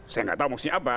saya nggak tahu maksudnya apa